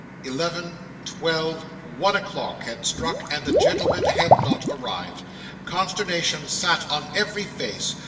Eleven twelve one o'clock had struck, and the gentlemen had not arrived. Consternation sat on every face.